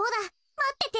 まってて。